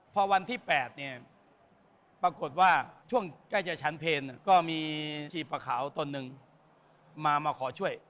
พอวันที่๘เนี่ยปรากฏว่าช่วงใกล้จะชั้นเพลก็มีชีพะขาวตนหนึ่งมามาขอช่วย